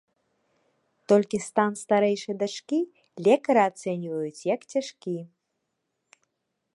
Толькі стан старэйшай дачкі лекары ацэньваюць як цяжкі.